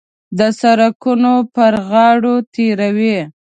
د سړکونو پر غاړو تېروي.